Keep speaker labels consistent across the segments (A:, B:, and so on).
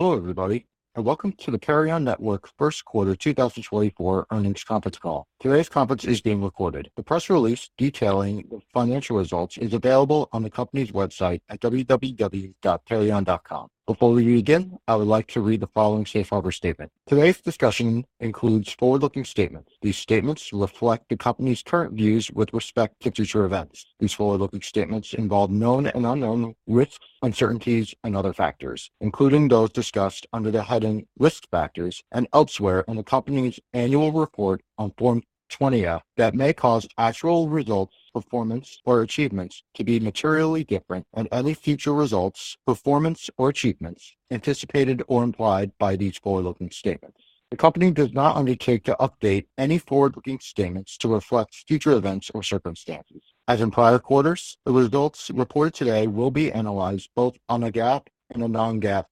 A: Hello, everybody, and Welcome to the Perion Network First Quarter 2024 Earnings Conference Call. Today's conference is being recorded. The press release detailing the financial results is available on the company's website at www.perion.com. Before we begin, I would like to read the following safe harbor statement. Today's discussion includes forward-looking statements. These statements reflect the company's current views with respect to future events. These forward-looking statements involve known and unknown risks, uncertainties, and other factors, including those discussed under the heading Risk Factors and elsewhere in the company's annual report on Form 20-F that may cause actual results, performance, or achievements to be materially different and any future results, performance, or achievements anticipated or implied by these forward-looking statements. The company does not undertake to update any forward-looking statements to reflect future events or circumstances. As in prior quarters, the results reported today will be analyzed both on a GAAP and a non-GAAP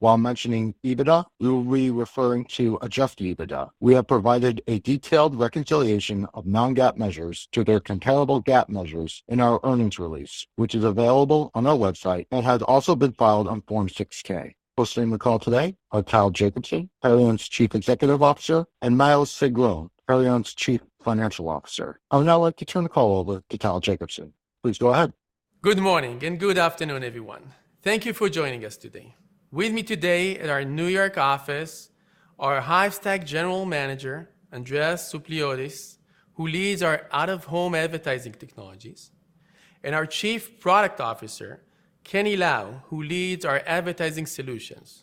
A: basis. While mentioning EBITDA, we will be referring to adjusted EBITDA. We have provided a detailed reconciliation of non-GAAP measures to their comparable GAAP measures in our earnings release, which is available on our website and has also been filed on Form 6-K. Hosting the call today are Tal Jacobson, Perion's Chief Executive Officer, and Maoz Sigron, Perion's Chief Financial Officer. I would now like to turn the call over to Tal Jacobson. Please go ahead.
B: Good morning and good afternoon, everyone. Thank you for joining us today. With me today at our New York office are Hivestack General Manager, Andreas Soupliotis, who leads our out-of-home advertising technologies, and our Chief Product Officer, Kenny Lau, who leads our advertising solutions.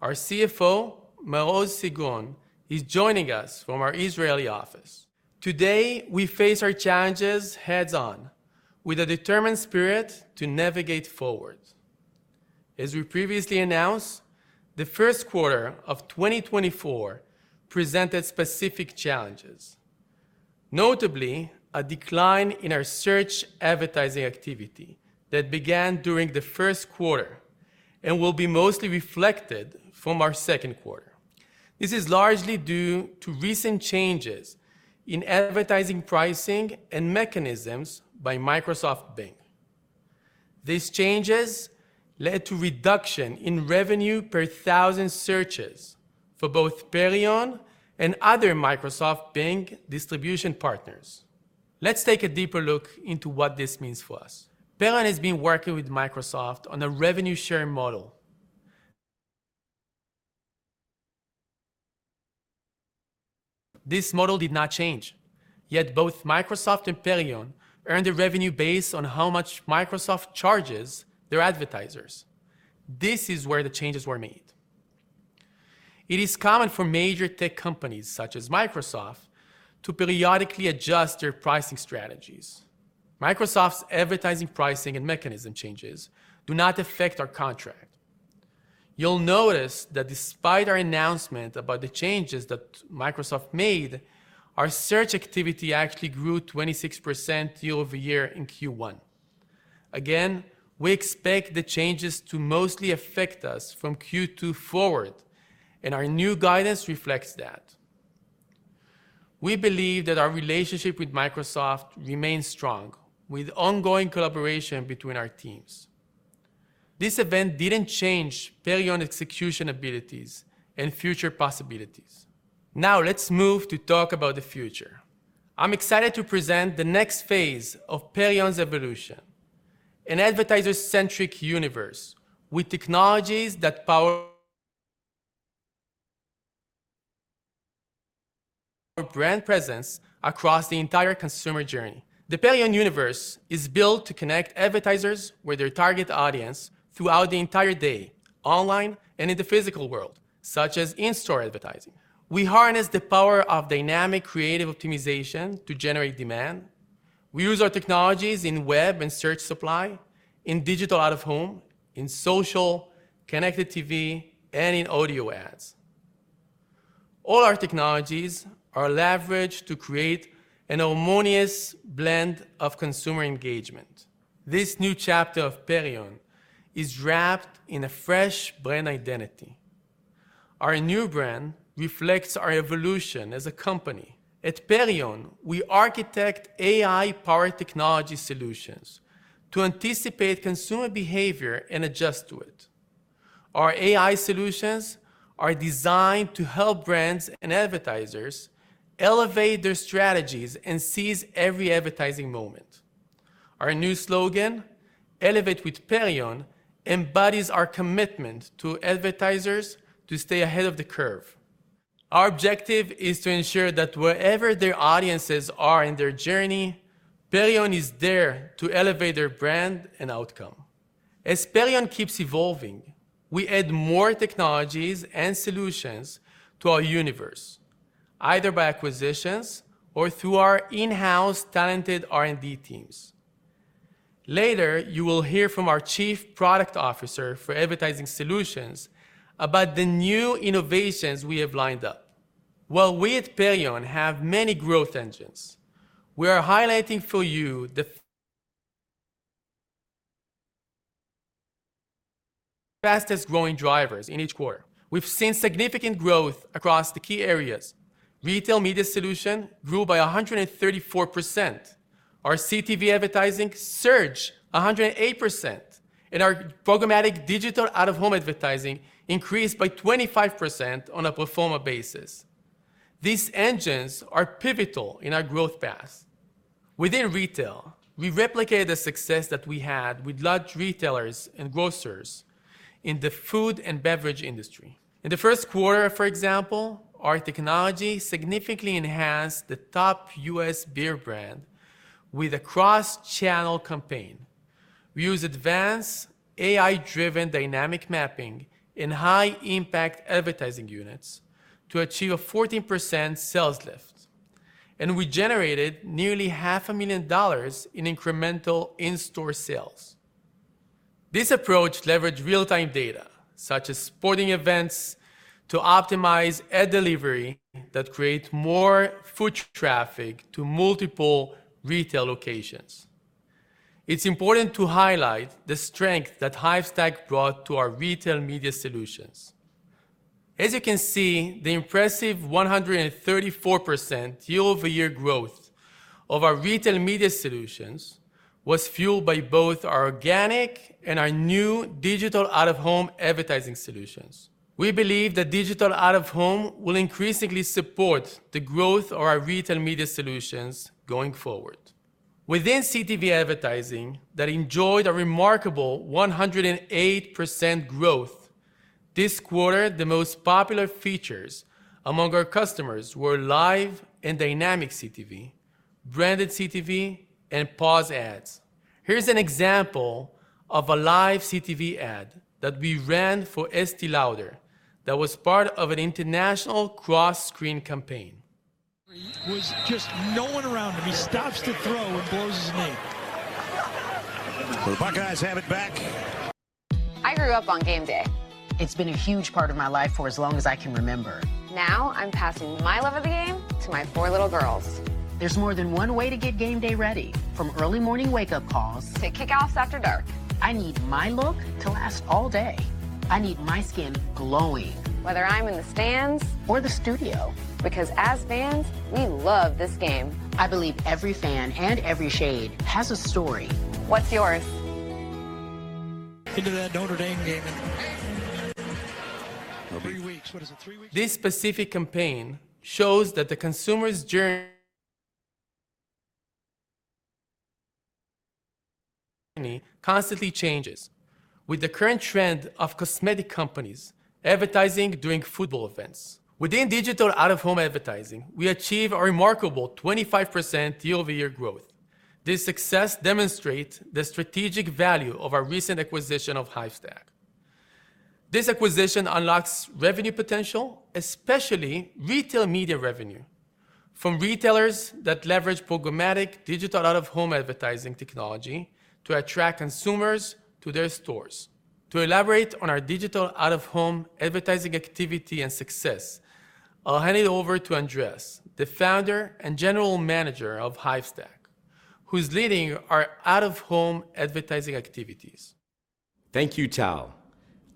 B: Our CFO, Maoz Sigron is joining us from our Israeli office. Today, we face our challenges heads on with a determined spirit to navigate forward. As we previously announced, the first quarter of 2024 presented specific challenges, notably a decline in our search advertising activity that began during the first quarter and will be mostly reflected from our second quarter. This is largely due to recent changes in advertising, pricing, and mechanisms by Microsoft Bing. These changes led to reduction in revenue per thousand searches for both Perion and other Microsoft Bing distribution partners. Let's take a deeper look into what this means for us. Perion has been working with Microsoft on a revenue sharing model. This model did not change, yet both Microsoft and Perion earned their revenue based on how much Microsoft charges their advertisers. This is where the changes were made. It is common for major tech companies, such as Microsoft, to periodically adjust their pricing strategies. Microsoft's advertising, pricing, and mechanism changes do not affect our contract. You'll notice that despite our announcement about the changes that Microsoft made, our search activity actually grew 26% year-over-year in Q1. Again, we expect the changes to mostly affect us from Q2 forward, and our new guidance reflects that. We believe that our relationship with Microsoft remains strong, with ongoing collaboration between our teams. This event didn't change Perion execution abilities and future possibilities. Now, let's move to talk about the future. I'm excited to present the next phase of Perion's evolution, an advertiser-centric universe with technologies that power brand presence across the entire consumer journey. The Perion universe is built to connect advertisers with their target audience throughout the entire day, online and in the physical world, such as in-store advertising. We harness the power of Dynamic Creative Optimization to generate demand. We use our technologies in web and search supply, in Digital Out-of-Home, in social, Connected TV, and in audio ads. All our technologies are leveraged to create a harmonious blend of consumer engagement. This new chapter of Perion is wrapped in a fresh brand identity. Our new brand reflects our evolution as a company. At Perion, we architect AI-powered technology solutions to anticipate consumer behavior and adjust to it. Our AI solutions are designed to help brands and advertisers elevate their strategies and seize every advertising moment. Our new slogan, "Elevate with Perion," embodies our commitment to advertisers to stay ahead of the curve. Our objective is to ensure that wherever their audiences are in their journey, Perion is there to elevate their brand and outcome. As Perion keeps evolving, we add more technologies and solutions to our universe, either by acquisitions or through our in-house talented R&D teams. Later, you will hear from our Chief Product Officer for Advertising Solutions about the new innovations we have lined up. While we at Perion have many growth engines, we are highlighting for you the fastest-growing drivers in each quarter. We've seen significant growth across the key areas. Retail Media solution grew by 134%.... Our CTV advertising surged 108%, and our programmatic digital out-of-home advertising increased by 25% on a pro forma basis. These engines are pivotal in our growth path. Within retail, we replicated the success that we had with large retailers and grocers in the food and beverage industry. In the first quarter, for example, our technology significantly enhanced the top U.S. beer brand with a cross-channel campaign. We used advanced AI-driven dynamic mapping in high-impact advertising units to achieve a 14% sales lift, and we generated nearly $500,000 in incremental in-store sales. This approach leveraged real-time data, such as sporting events, to optimize ad delivery that create more foot traffic to multiple retail locations. It's important to highlight the strength that Hivestack brought to our retail media solutions. As you can see, the impressive 134% year-over-year growth of our retail media solutions was fueled by both our organic and our new digital out-of-home advertising solutions. We believe that digital out-of-home will increasingly support the growth of our retail media solutions going forward. Within CTV advertising, that enjoyed a remarkable 108% growth. This quarter, the most popular features among our customers were live and dynamic CTV, branded CTV, and pause ads. Here's an example of a live CTV ad that we ran for Estée Lauder that was part of an international cross-screen campaign.
A: There was just no one around him. He stops to throw and blows his knee. The Buckeyes have it back.
C: I grew up on game day. It's been a huge part of my life for as long as I can remember. Now, I'm passing my love of the game to my four little girls. There's more than one way to get game day ready, from early morning wake-up calls... To kickoffs after dark. I need my look to last all day. I need my skin glowing. Whether I'm in the stands or the studio, because as fans, we love this game. I believe every fan and every shade has a story. What's yours?
B: Into that Notre Dame game in three weeks. What is it, three weeks? This specific campaign shows that the consumer's journey constantly changes, with the current trend of cosmetic companies advertising during football events. Within Digital Out-of-Home advertising, we achieved a remarkable 25% year-over-year growth. This success demonstrates the strategic value of our recent acquisition of Hivestack. This acquisition unlocks revenue potential, especially retail media revenue, from retailers that leverage programmatic Digital Out-of-Home advertising technology to attract consumers to their stores. To elaborate on our Digital Out-of-Home advertising activity and success, I'll hand it over to Andreas, the founder and general manager of Hivestack, who's leading our out-of-home advertising activities.
D: Thank you, Tal.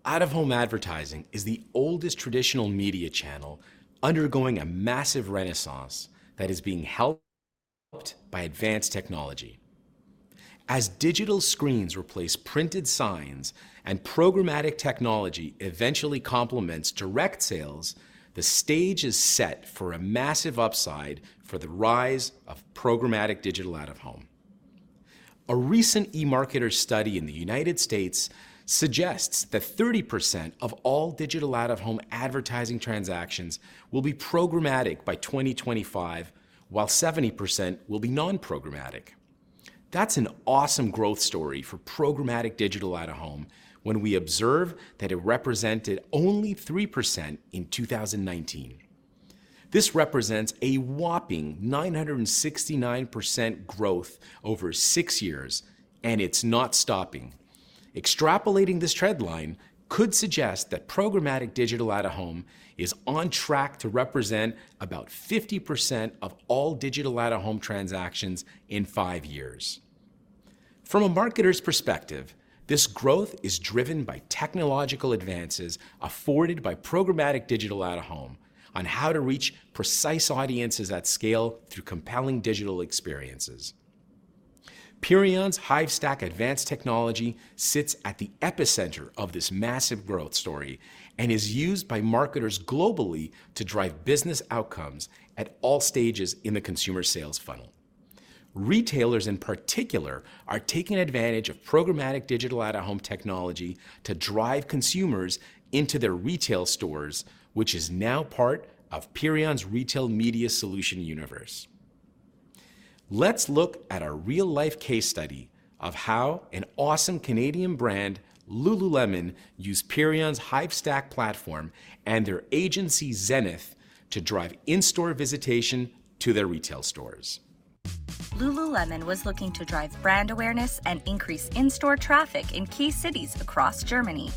D: Out-of-home advertising is the oldest traditional media channel undergoing a massive renaissance that is being helped by advanced technology. As digital screens replace printed signs and programmatic technology eventually complements direct sales, the stage is set for a massive upside for the rise of programmatic digital out-of-home. A recent eMarketer study in the United States suggests that 30% of all digital out-of-home advertising transactions will be programmatic by 2025, while 70% will be non-programmatic. That's an awesome growth story for programmatic digital out-of-home when we observe that it represented only 3% in 2019. This represents a whopping 969% growth over six years, and it's not stopping. Extrapolating this trend line could suggest that programmatic digital out-of-home is on track to represent about 50% of all digital out-of-home transactions in five years. From a marketer's perspective, this growth is driven by technological advances afforded by programmatic digital out-of-home on how to reach precise audiences at scale through compelling digital experiences. Perion's Hivestack advanced technology sits at the epicenter of this massive growth story and is used by marketers globally to drive business outcomes at all stages in the consumer sales funnel. Retailers, in particular, are taking advantage of programmatic digital out-of-home technology to drive consumers into their retail stores, which is now part of Perion's retail media solution universe. Let's look at a real-life case study of how an awesome Canadian brand, Lululemon, used Perion's Hivestack platform and their agency, Zenith, to drive in-store visitation to their retail stores.
C: Lululemon was looking to drive brand awareness and increase in-store traffic in key cities across Germany.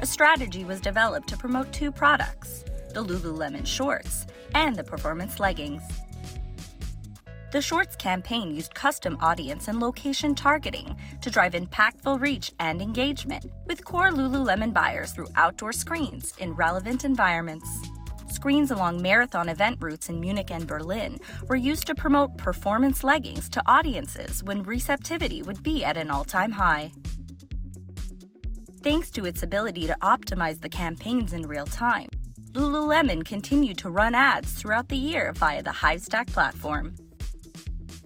C: A strategy was developed to promote two products: the Lululemon shorts and the performance leggings. The shorts campaign used custom audience and location targeting to drive impactful reach and engagement with core Lululemon buyers through outdoor screens in relevant environments. Screens along marathon event routes in Munich and Berlin were used to promote performance leggings to audiences when receptivity would be at an all-time high. Thanks to its ability to optimize the campaigns in real time, Lululemon continued to run ads throughout the year via the Hivestack platform.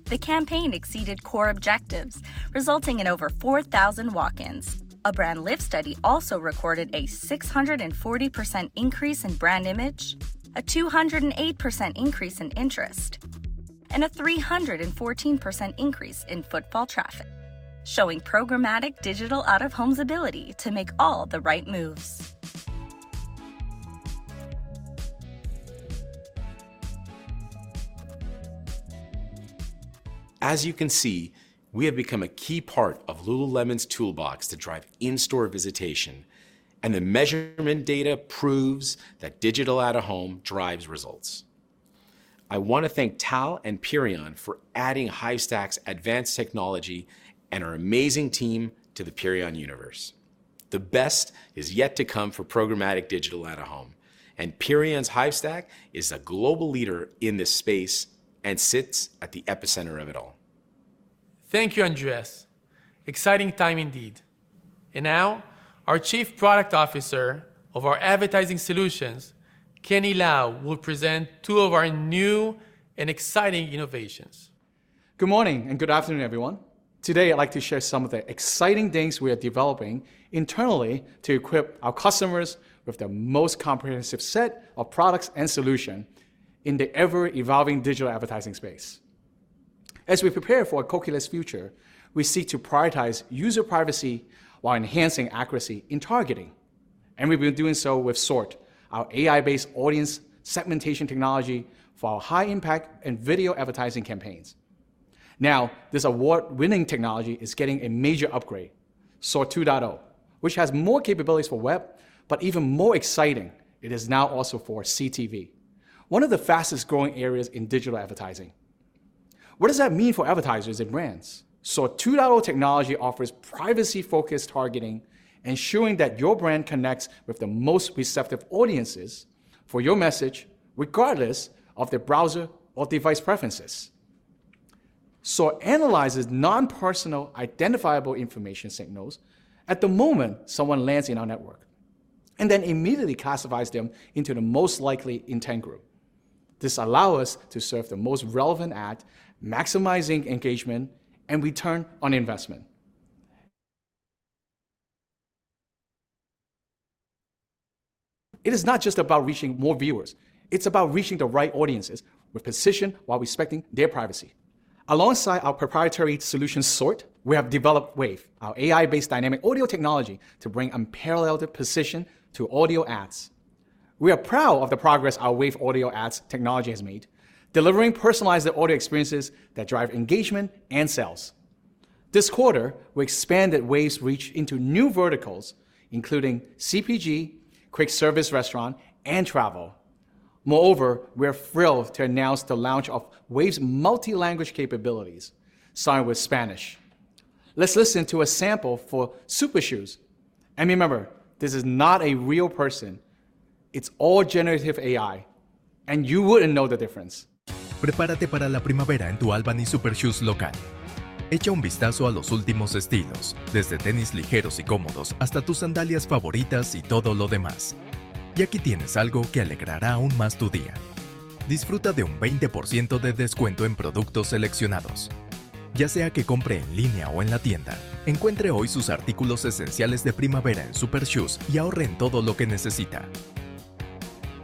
C: The campaign exceeded core objectives, resulting in over 4,000 walk-ins. A brand lift study also recorded a 640% increase in brand image, a 208% increase in interest, and a 314% increase in footfall traffic, showing Programmatic Digital Out-of-Home's ability to make all the right moves.
D: As you can see, we have become a key part of Lululemon's toolbox to drive in-store visitation, and the measurement data proves that digital out-of-home drives results. I wanna thank Tal and Perion for adding Hivestack's advanced technology and our amazing team to the Perion universe. The best is yet to come for programmatic digital out-of-home, and Perion's Hivestack is a global leader in this space and sits at the epicenter of it all.
B: Thank you, Andreas. Exciting time indeed. Now, our Chief Product Officer of our advertising solutions, Kenny Lau, will present two of our new and exciting innovations.
E: Good morning, and good afternoon, everyone. Today, I'd like to share some of the exciting things we are developing internally to equip our customers with the most comprehensive set of products and solution in the ever-evolving digital advertising space. As we prepare for a cookieless future, we seek to prioritize user privacy while enhancing accuracy in targeting, and we've been doing so with SORT, our AI-based audience segmentation technology for our high-impact and video advertising campaigns. Now, this award-winning technology is getting a major upgrade, SORT 2.0, which has more capabilities for web, but even more exciting, it is now also for CTV, one of the fastest-growing areas in digital advertising. What does that mean for advertisers and brands? SORT 2.0 technology offers privacy-focused targeting, ensuring that your brand connects with the most receptive audiences for your message, regardless of their browser or device preferences. SORT analyzes non-personal identifiable information signals at the moment someone lands in our network, and then immediately classifies them into the most likely intent group. This allows us to serve the most relevant ad, maximizing engagement and return on investment. It is not just about reaching more viewers; it's about reaching the right audiences with precision while respecting their privacy. Alongside our proprietary solution, SORT, we have developed Wave, our AI-based dynamic audio technology, to bring unparalleled precision to audio ads. We are proud of the progress our Wave audio ads technology has made, delivering personalized audio experiences that drive engagement and sales. This quarter, we expanded Wave's reach into new verticals, including CPG, quick-service restaurant, and travel. Moreover, we are thrilled to announce the launch of Wave's multi-language capabilities, starting with Spanish. Let's listen to a sample for Super Shoes. And remember, this is not a real person. It's all generative AI, and you wouldn't know the difference.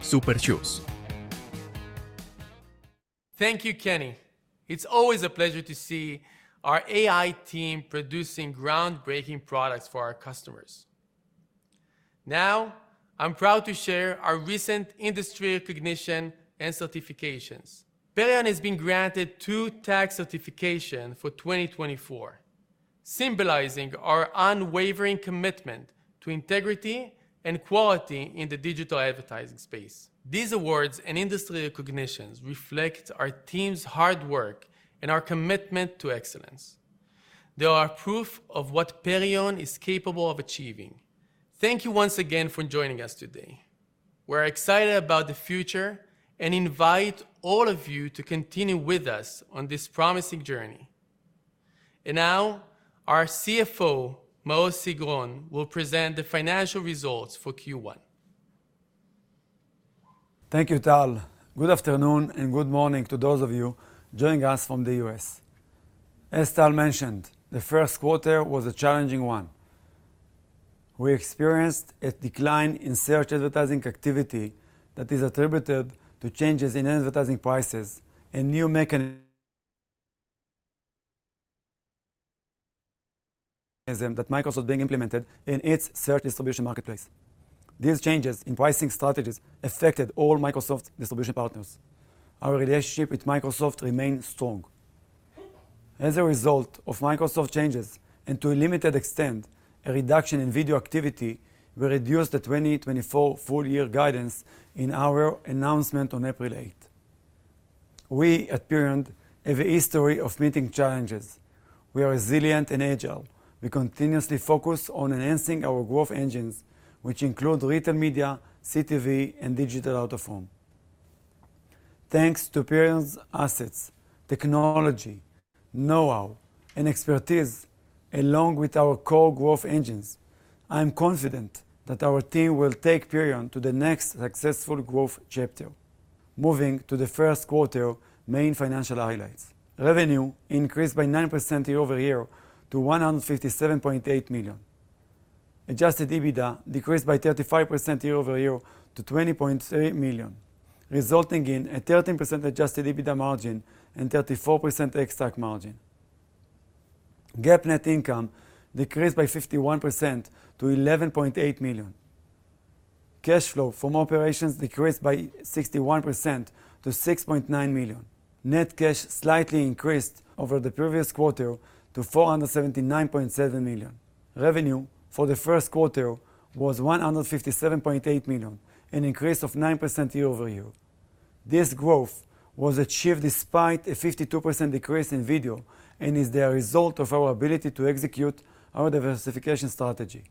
B: Thank you, Kenny. It's always a pleasure to see our AI team producing groundbreaking products for our customers. Now, I'm proud to share our recent industry recognition and certifications. Perion has been granted two TAG certifications for 2024, symbolizing our unwavering commitment to integrity and quality in the digital advertising space. These awards and industry recognitions reflect our team's hard work and our commitment to excellence. They are proof of what Perion is capable of achieving. Thank you once again for joining us today. We're excited about the future and invite all of you to continue with us on this promising journey. And now, our CFO, Maoz Sigron, will present the financial results for Q1.
F: Thank you, Tal. Good afternoon, and good morning to those of you joining us from the U.S. As Tal mentioned, the first quarter was a challenging one. We experienced a decline in search advertising activity that is attributed to changes in advertising prices and new mechanisms that Microsoft is implementing in its search distribution marketplace. These changes in pricing strategies affected all Microsoft distribution partners. Our relationship with Microsoft remains strong. As a result of Microsoft changes, and to a limited extent, a reduction in video activity, we reduced the 2024 full year guidance in our announcement on April 8. We at Perion have a history of meeting challenges. We are resilient and agile. We continuously focus on enhancing our growth engines, which include retail media, CTV, and digital out-of-home. Thanks to Perion's assets, technology, know-how, and expertise, along with our core growth engines, I'm confident that our team will take Perion to the next successful growth chapter. Moving to the first quarter main financial highlights. Revenue increased by 9% year-over-year to $157.8 million. Adjusted EBITDA decreased by 35% year-over-year to $20.3 million, resulting in a 13% adjusted EBITDA margin and 34% ex-TAC margin. GAAP net income decreased by 51% to $11.8 million. Cash flow from operations decreased by 61% to $6.9 million. Net cash slightly increased over the previous quarter to $479.7 million. Revenue for the first quarter was $157.8 million, an increase of 9% year-over-year. This growth was achieved despite a 52% decrease in video and is the result of our ability to execute our diversification strategy.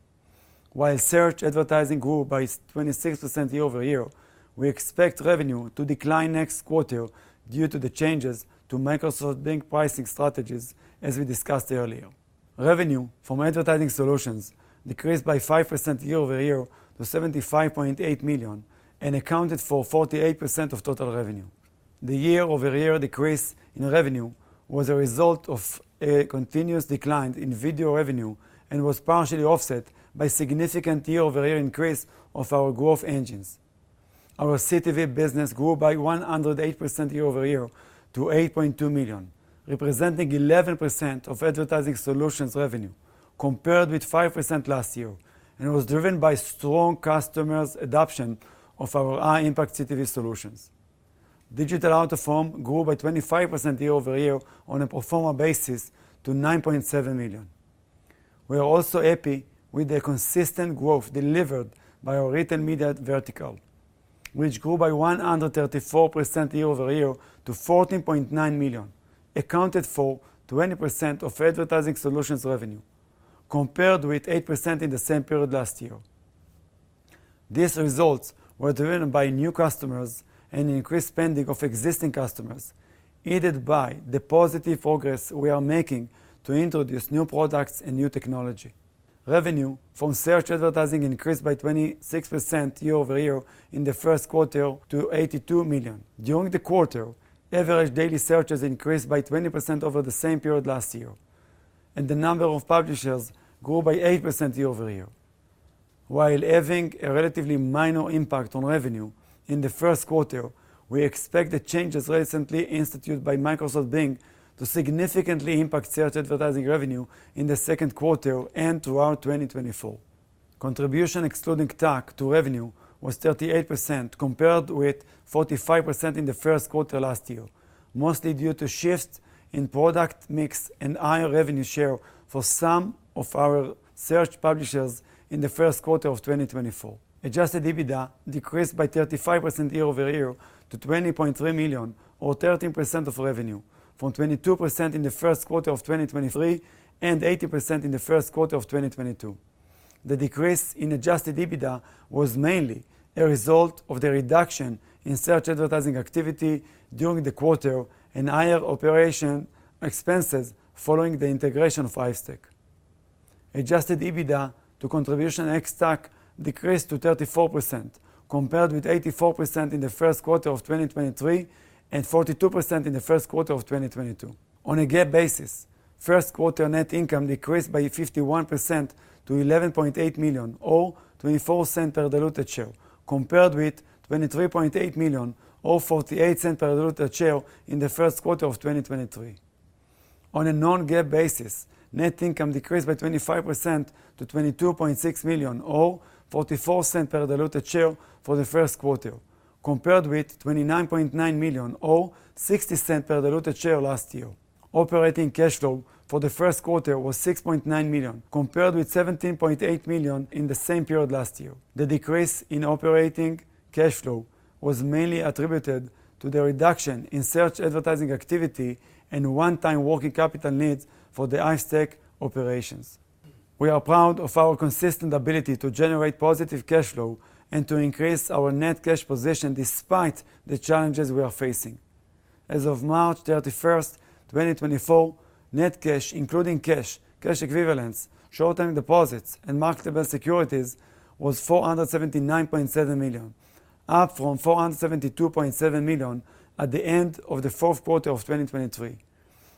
F: While search advertising grew by 26% year-over-year, we expect revenue to decline next quarter due to the changes to Microsoft Bing pricing strategies, as we discussed earlier. Revenue from advertising solutions decreased by 5% year-over-year to $75.8 million, and accounted for 48% of total revenue. The year-over-year decrease in revenue was a result of a continuous decline in video revenue and was partially offset by significant year-over-year increase of our growth engines. Our CTV business grew by 108% year-over-year to $8.2 million, representing 11% of advertising solutions revenue, compared with 5% last year, and was driven by strong customers' adoption of our high-impact CTV solutions. Digital Out-of-Home grew by 25% year-over-year on a pro forma basis to $9.7 million. We are also happy with the consistent growth delivered by our Retail Media vertical, which grew by 134% year-over-year to $14.9 million, accounted for 20% of advertising solutions revenue, compared with 8% in the same period last year. These results were driven by new customers and increased spending of existing customers, aided by the positive progress we are making to introduce new products and new technology. Revenue from Search Advertising increased by 26% year-over-year in the first quarter to $82 million. During the quarter, average daily searches increased by 20% over the same period last year, and the number of publishers grew by 8% year-over-year. While having a relatively minor impact on revenue in the first quarter, we expect the changes recently instituted by Microsoft Bing to significantly impact search advertising revenue in the second quarter and throughout 2024. Contribution excluding TAC to revenue was 38%, compared with 45% in the first quarter last year, mostly due to shifts in product mix and higher revenue share for some of our search publishers in the first quarter of 2024. Adjusted EBITDA decreased by 35% year-over-year to $20.3 million, or 13% of revenue from 22% in the first quarter of 2023 and 80% in the first quarter of 2022. The decrease in Adjusted EBITDA was mainly a result of the reduction in search advertising activity during the quarter and higher operation expenses following the integration of Hivestack. Adjusted EBITDA to contribution ex-TAC decreased to 34%, compared with 84% in the first quarter of 2023 and 42% in the first quarter of 2022. On a GAAP basis, first quarter net income decreased by 51% to $11.8 million, or $0.24 per diluted share, compared with $23.8 million, or $0.48 per diluted share in the first quarter of 2023. On a non-GAAP basis, net income decreased by 25% to $22.6 million, or $0.44 per diluted share for the first quarter, compared with $29.9 million, or $0.60 per diluted share last year. Operating cash flow for the first quarter was $6.9 million, compared with $17.8 million in the same period last year. The decrease in operating cash flow was mainly attributed to the reduction in search advertising activity and one-time working capital needs for the Hivestack operations. We are proud of our consistent ability to generate positive cash flow and to increase our net cash position despite the challenges we are facing. As of March 31st, 2024, net cash, including cash, cash equivalents, short-term deposits, and marketable securities, was $479.7 million, up from $472.7 million at the end of the fourth quarter of 2023.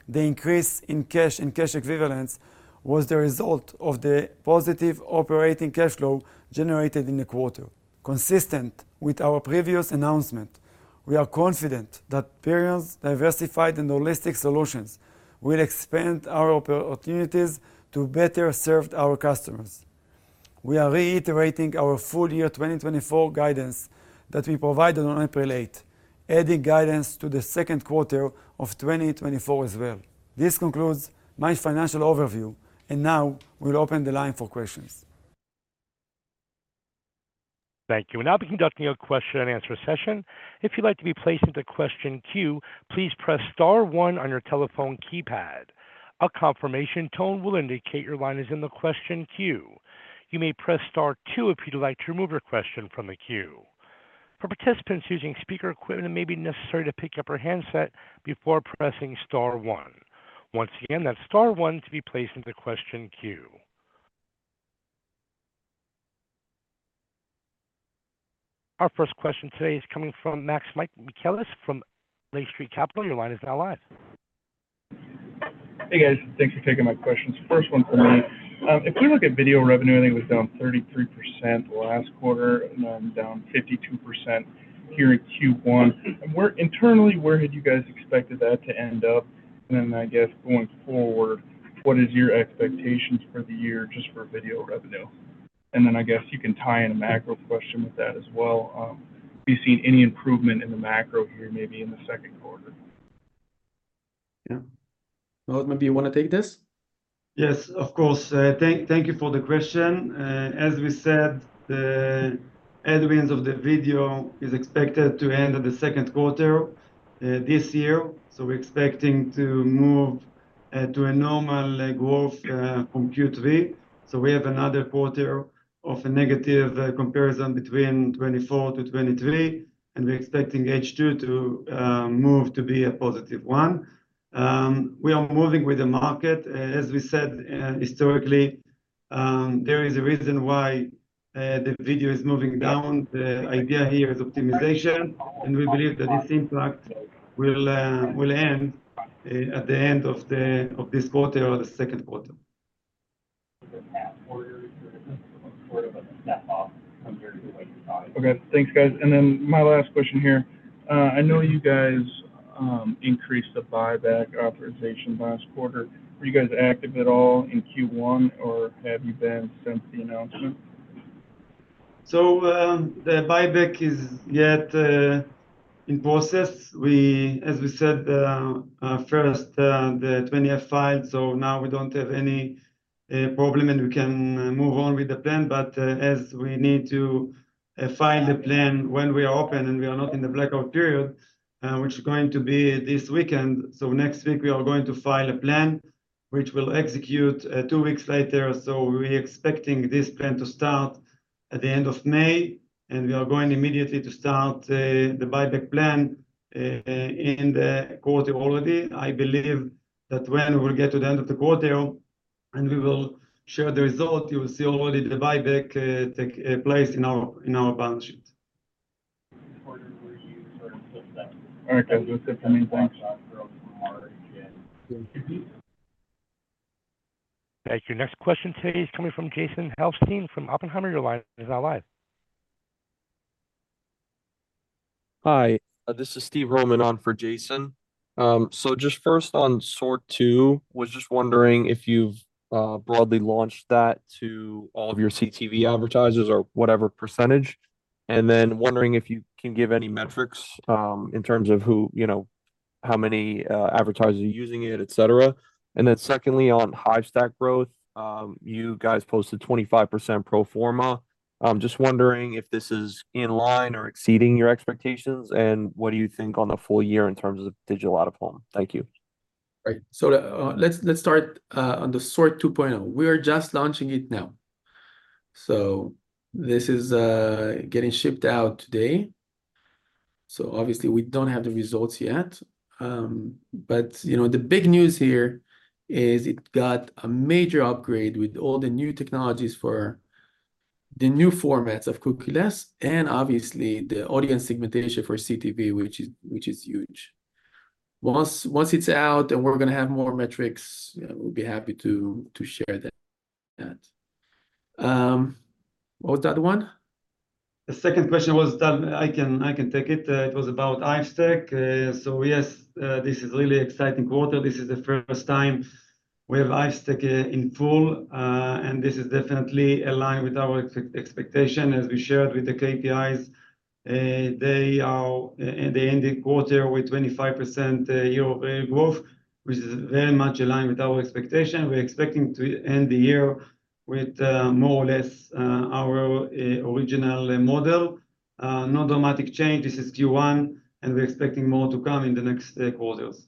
F: The increase in cash and cash equivalents was the result of the positive operating cash flow generated in the quarter. Consistent with our previous announcement, we are confident that Perion's diversified and holistic solutions will expand our opportunities to better serve our customers. We are reiterating our full year 2024 guidance that we provided on April 8, adding guidance to the second quarter of 2024 as well. This concludes my financial overview, and now we'll open the line for questions. ...
A: Thank you. We'll now be conducting a question and answer session. If you'd like to be placed into question queue, please press star one on your telephone keypad. A confirmation tone will indicate your line is in the question queue. You may press star two if you'd like to remove your question from the queue. For participants using speaker equipment, it may be necessary to pick up your handset before pressing star one. Once again, that's star one to be placed into the question queue. Our first question today is coming from Max Michaelis from Lake Street Capital. Your line is now live.
G: Hey, guys. Thanks for taking my questions. First one for me. If we look at video revenue, I think it was down 33% last quarter, and then down 52% here in Q1. And where-- internally, where had you guys expected that to end up? And then, I guess, going forward, what is your expectations for the year just for video revenue? And then I guess you can tie in a macro question with that as well. Have you seen any improvement in the macro here, maybe in the second quarter?
B: Yeah. Maoz, maybe you wanna take this?
F: Yes, of course. Thank you for the question. As we said, the headwinds of the video is expected to end in the second quarter this year, so we're expecting to move to a normal growth from Q3. So we have another quarter of a negative comparison between 2024 to 2023, and we're expecting H2 to move to be a positive one. We are moving with the market. As we said, historically, there is a reason why the video is moving down. The idea here is optimization, and we believe that this impact will end at the end of this quarter or the second quarter.
G: Okay. Thanks, guys. My last question here. I know you guys increased the buyback authorization last quarter. Were you guys active at all in Q1, or have you been since the announcement?
F: So, the buyback is yet in process. We, as we said, first, the 20-F filing, so now we don't have any problem, and we can move on with the plan. But as we need to file the plan when we are open and we are not in the blackout period, which is going to be this weekend. So next week we are going to file a plan which will execute two weeks later. So we're expecting this plan to start at the end of May, and we are going immediately to start the buyback plan in the quarter already. I believe that when we get to the end of the quarter, and we will share the result, you will see already the buyback take place in our balance sheet.
G: All right, guys.
F: Thanks so much.
A: Thank you. Next question today is coming from Jason Helfstein from Oppenheimer. Your line is now live.
H: Hi, this is Steve Roman on for Jason. So just first on SORT 2.0, was just wondering if you've broadly launched that to all of your CTV advertisers or whatever percentage. Then wondering if you can give any metrics, in terms of who, you know, how many, advertisers are using it, et cetera. Then secondly, on Hivestack growth, you guys posted 25% pro forma. I'm just wondering if this is in line or exceeding your expectations, and what do you think on the full year in terms of digital out-of-home? Thank you.
B: Right. So, let's, let's start on the SORT 2.0. We are just launching it now. So this is getting shipped out today. So obviously we don't have the results yet, but, you know, the big news here is it got a major upgrade with all the new technologies for the new formats of cookieless, and obviously the audience segmentation for CTV, which is, which is huge. Once, once it's out and we're gonna have more metrics, we'll be happy to, to share that, that. What was the other one?
F: The second question was done. I can take it. It was about Hivestack. So yes, this is really exciting quarter. This is the first time we have Hivestack in full, and this is definitely aligned with our expectation as we shared with the KPIs. They end the quarter with 25% year growth, which is very much aligned with our expectation. We're expecting to end the year with more or less our original model. No dramatic change. This is Q1, and we're expecting more to come in the next quarters.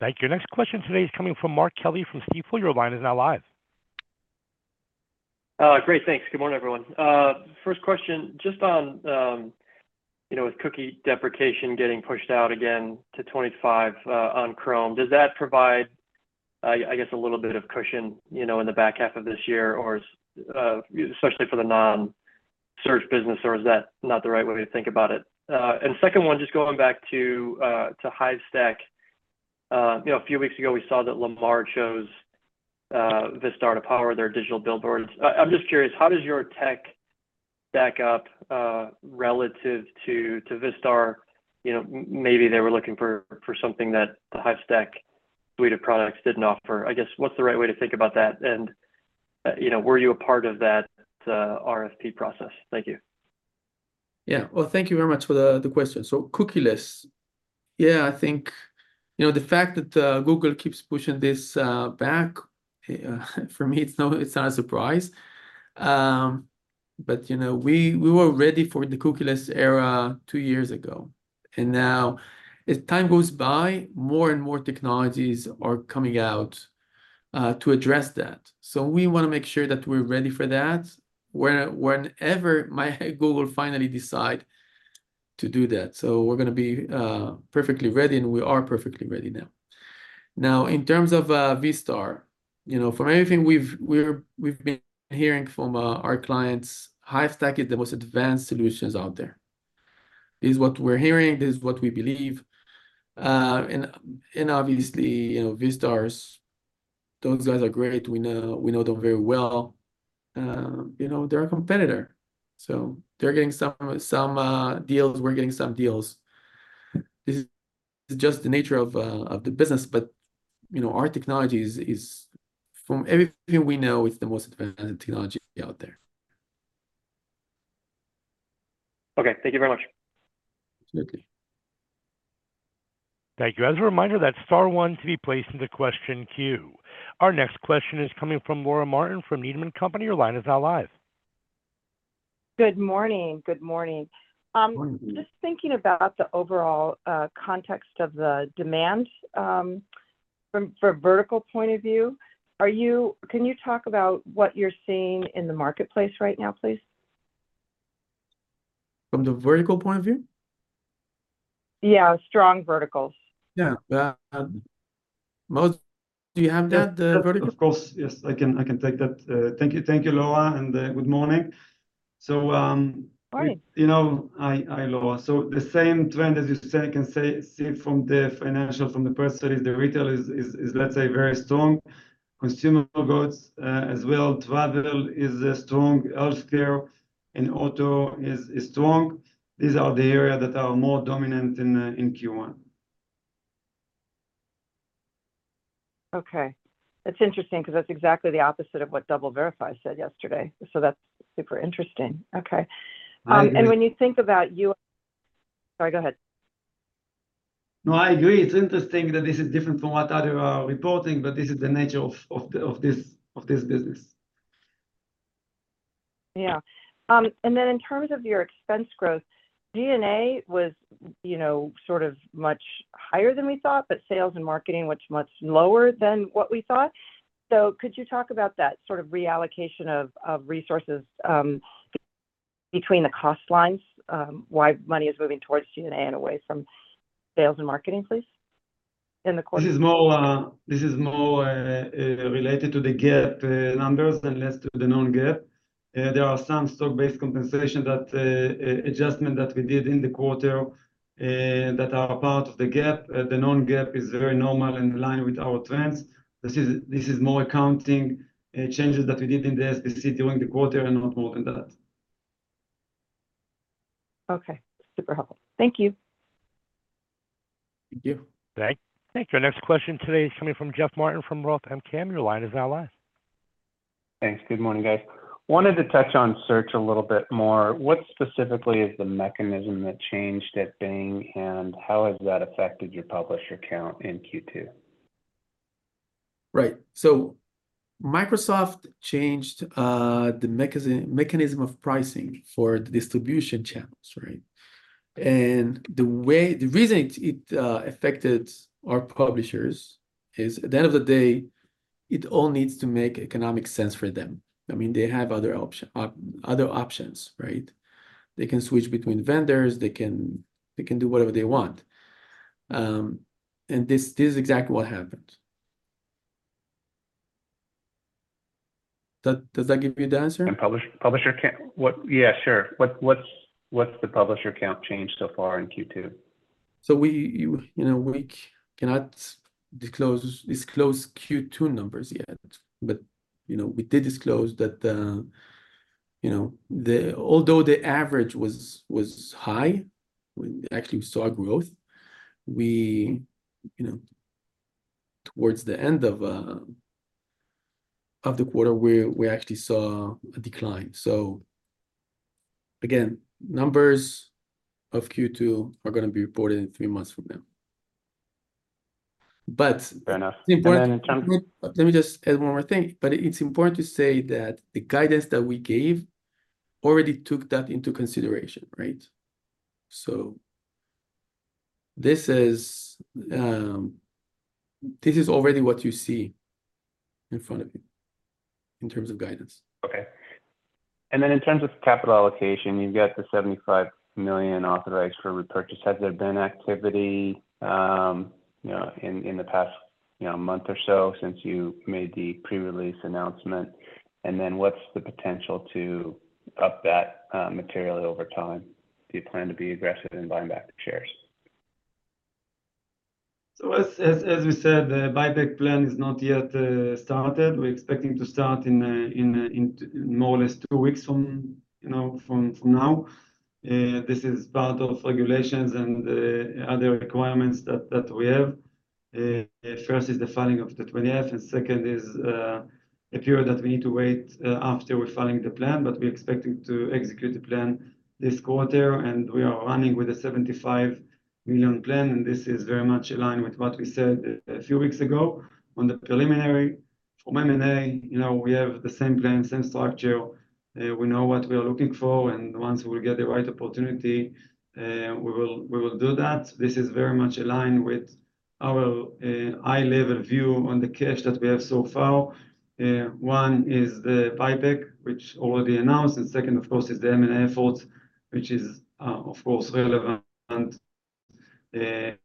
A: Thank you. Next question today is coming from Mark Kelley from Stifel. Your line is now live.
I: Great. Thanks. Good morning, everyone. First question, just on, you know, with cookie deprecation getting pushed out again to 2025, on Chrome, does that provide, I guess, a little bit of cushion, you know, in the back half of this year, or, especially for the non-search business, or is that not the right way to think about it? And second one, just going back to Hivestack. You know, a few weeks ago, we saw that Lamar chose Vistar to power their digital billboards. I'm just curious, how does your tech stack up, relative to Vistar? You know, maybe they were looking for something that the Hivestack suite of products didn't offer. I guess, what's the right way to think about that? And, you know, were you a part of that RFP process? Thank you....
B: Yeah. Well, thank you very much for the question. So cookieless. Yeah, I think, you know, the fact that Google keeps pushing this back, for me, it's not a surprise. But, you know, we were ready for the cookieless era two years ago, and now as time goes by, more and more technologies are coming out to address that. So we wanna make sure that we're ready for that, whenever Google finally decides to do that. So we're gonna be perfectly ready, and we are perfectly ready now. Now, in terms of Vistar, you know, from everything we've been hearing from our clients, Hivestack is the most advanced solutions out there. This is what we're hearing, this is what we believe. Obviously, you know, Vistar, those guys are great, we know them very well. You know, they're a competitor, so they're getting some deals, we're getting some deals. This is just the nature of the business, but you know, our technology is from everything we know, it's the most advanced technology out there.
I: Okay, thank you very much.
B: Absolutely.
A: Thank you. As a reminder, that's star one to be placed in the question queue. Our next question is coming from Laura Martin, from Needham & Company. Your line is now live.
J: Good morning. Good morning.
B: Good morning.
J: Just thinking about the overall context of the demands from a vertical point of view, are you, can you talk about what you're seeing in the marketplace right now, please?
B: From the vertical point of view?
J: Yeah, strong verticals.
B: Yeah. Maoz, do you have that vertical?
F: Of course, yes, I can, I can take that. Thank you. Thank you, Laura, and good morning. So
J: Hi...
F: You know, hi, hi, Laura. So the same trend, as you said, you can say, see it from the financials, from the press release, the retail is, let's say, very strong. Consumer goods, as well, travel is strong, healthcare and auto is strong. These are the area that are more dominant in Q1.
J: Okay. That's interesting because that's exactly the opposite of what DoubleVerify said yesterday, so that's super interesting. Okay.
F: I agree.
J: And when you think about you... Sorry, go ahead.
F: No, I agree. It's interesting that this is different from what others are reporting, but this is the nature of this business.
J: Yeah. And then in terms of your expense growth, G&A was, you know, sort of much higher than we thought, but sales and marketing, which much lower than what we thought. So could you talk about that sort of reallocation of resources between the cost lines, why money is moving towards G&A and away from sales and marketing, please, in the quarter?
F: This is more, this is more, related to the GAAP numbers than less to the non-GAAP. There are some stock-based compensation that adjustment that we did in the quarter that are part of the GAAP. The non-GAAP is very normal and in line with our trends. This is, this is more accounting changes that we did in the SBC during the quarter and not more than that.
J: Okay. Super helpful. Thank you.
F: Thank you.
A: Thank you. Our next question today is coming from Jeff Martin, from Roth MKM. Your line is now live.
K: Thanks. Good morning, guys. Wanted to touch on search a little bit more. What specifically is the mechanism that changed at Bing, and how has that affected your publisher count in Q2?
B: Right. So Microsoft changed the mechanism of pricing for the distribution channels, right? And the way, the reason it affected our publishers is, at the end of the day, it all needs to make economic sense for them. I mean, they have other options, right? They can switch between vendors, they can do whatever they want. And this is exactly what happened. Does that give you the answer?
K: Publisher count? Yeah, sure. What's the publisher count change so far in Q2?
B: So, you know, we cannot disclose Q2 numbers yet, but, you know, we did disclose that, you know, the... Although the average was high, we actually saw growth, you know, towards the end of the quarter, we actually saw a decline. So again, numbers of Q2 are gonna be reported in three months from now. But-
K: Fair enough. And then in terms-
B: Let me just add one more thing, but it's important to say that the guidance that we gave already took that into consideration, right? So this is, this is already what you see in front of you in terms of guidance.
K: Okay. And then in terms of capital allocation, you've got the $75 million authorized for repurchase. Has there been activity, you know, in, in the past, you know, month or so since you made the pre-release announcement? And then what's the potential to up that, materially over time? Do you plan to be aggressive in buying back the shares?
F: So as we said, the buyback plan is not yet started. We're expecting to start in more or less two weeks from, you know, from now. This is part of regulations and other requirements that we have. First is the filing of the 20F, and second is a period that we need to wait after we're filing the plan. But we're expecting to execute the plan this quarter, and we are running with a $75 million plan, and this is very much in line with what we said a few weeks ago on the preliminary M&A. You know, we have the same plan, same structure. We know what we are looking for, and once we get the right opportunity, we will do that. This is very much aligned with our high-level view on the cash that we have so far. One is the buyback, which already announced, and second, of course, is the M&A effort, which is, of course, relevant, you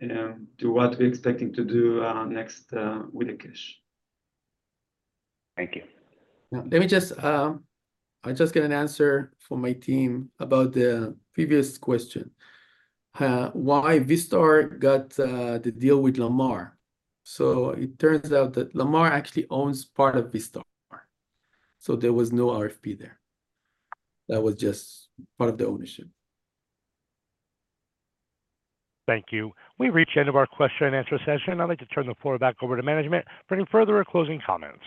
F: know, to what we're expecting to do next with the cash.
K: Thank you.
B: Now, let me just, I just get an answer from my team about the previous question, why Vistar got the deal with Lamar? So it turns out that Lamar actually owns part of Vistar, so there was no RFP there. That was just part of the ownership.
A: Thank you. We've reached the end of our question and answer session. I'd like to turn the floor back over to management for any further or closing comments.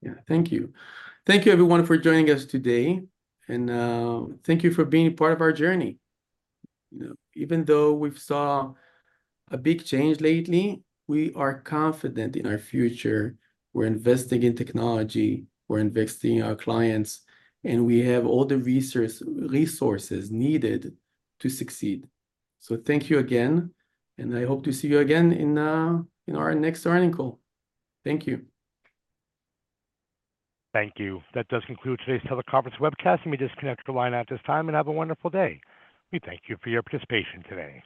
B: Yeah, thank you. Thank you everyone for joining us today, and thank you for being part of our journey. You know, even though we've saw a big change lately, we are confident in our future. We're investing in technology, we're investing in our clients, and we have all the resources needed to succeed. So thank you again, and I hope to see you again in our next earnings call. Thank you.
A: Thank you. That does conclude today's teleconference webcast. You may disconnect the line at this time, and have a wonderful day. We thank you for your participation today.